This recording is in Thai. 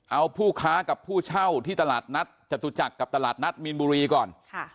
เอาผู้ค้ากับผู้เช่าที่ตลาดนัดจตุจักรกับตลาดนัดมีนบุรีก่อน